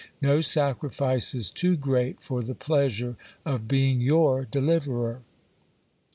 No sacrifice is too great for the pleasure of being your deliverer.